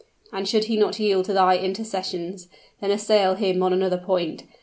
And should he not yield to thy intercessions, then assail him on another point.